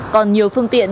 còn nhiều phương tiện